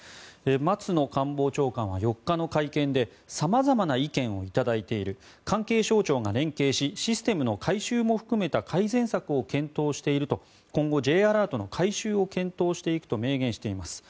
松野官房長官は４日の会見で様々な意見を頂いている関係省庁が連携しシステムの改修も含めた改善策を検討していると今後、Ｊアラートの改修を検討していくと明言しています。